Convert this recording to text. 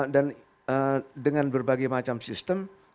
dan dengan berbagai macam sistem